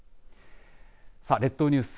さあ列島ニュース